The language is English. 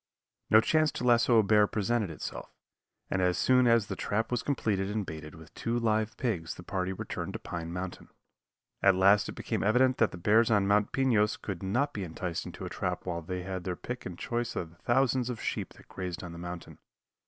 No chance to lasso a bear presented itself, and as soon as the trap was completed and baited with two live pigs the party returned to Pine Mountain. At last it became evident that the bears on Mount Pinos could not be enticed into a trap while they had their pick and choice of the thousands of sheep that grazed on the mountain.